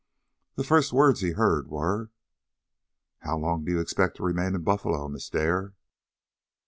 The first words he heard were: "How long do you expect to remain in Buffalo, Miss Dare?"